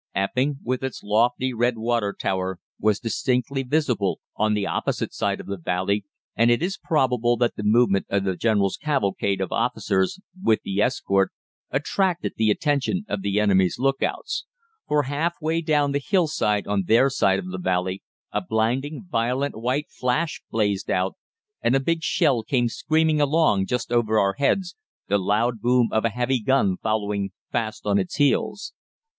Epping with its lofty red water tower was distinctly visible on the opposite side of the valley, and it is probable that the movement of the General's cavalcade of officers, with the escort, attracted the attention of the enemy's lookouts, for half way down the hillside on their side of the valley a blinding violet white flash blazed out, and a big shell came screaming along just over our heads, the loud boom of a heavy gun following fast on its heels.